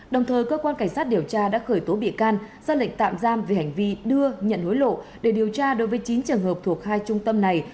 đồng thời cơ quan cảnh sát điều tra đã khởi tố bị can ra lệnh tạm giam về hành vi đưa nhận hối lộ để điều tra đối với chín trường hợp thuộc hai trung tâm này